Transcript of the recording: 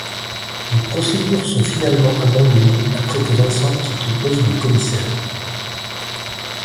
Les procédures sont finalement abandonnées après que Vincent quitte le poste de commissaire.